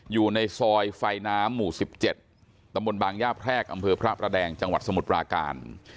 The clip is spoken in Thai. อยู่ในซอยไฟน้ำหมู่๑๗ตำบลบางย่าแพรกอำเภอพระประแดงจังหวัดสมุทรปราการ